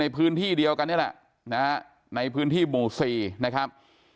พื้นที่เดียวกันนี่แหละนะฮะในพื้นที่หมู่๔นะครับ